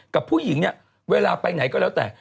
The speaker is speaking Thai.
กับผู้หญิงเนี่ยเวลาไปไหนก็แล้วแต่